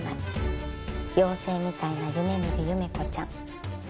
妖精みたいな夢見る夢子ちゃん。